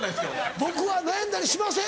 僕は悩んだりしません！